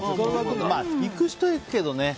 まあ、行く人は行くけどね。